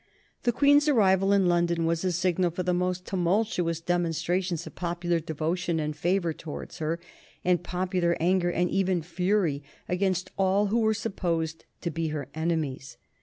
The Queen's arrival in London was a signal for the most tumultuous demonstrations of popular devotion and favor towards her, and popular anger, and even fury, against all who were supposed to be her enemies.